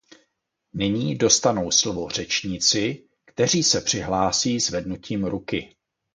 Nyní dostanou slovo řečníci, kteří se přihlásí zvednutím ruky.